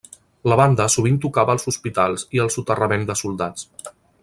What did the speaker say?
La banda sovint tocava als hospitals i al soterrament de soldats.